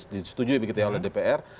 disetujui begitu ya oleh dpr